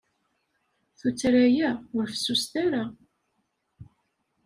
Tuttra-a ur fessuset ara.